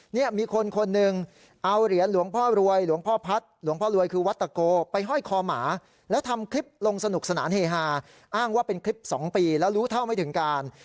เนี่ยมีคนคนหนึ่งเอาเหรียญหลวงพ่อรวยหลวงพ่อพัฒน์หลวงพ่อรวยคือวัตโกไปห้อยคอหมาแล้วทำคลิปลงสนุกสนานเฮฮาอ้างว่าเป็นคลิป๒ปีแล้วรู้เท่าไม่ถึงการ